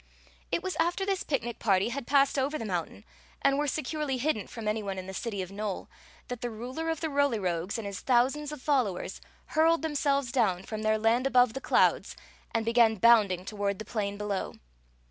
It was after this picnic party had passed over the mountain, and were securely hidden from any one in the city of Nole, that the ruler of the Roly Rogues and his thousands of followers hurled themselves down from their land above the clouds and began bounding toward the plain below.